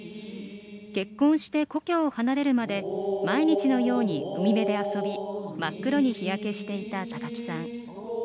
結婚して故郷を離れるまで毎日のように海辺で遊び真っ黒に日焼けしていた高木さん。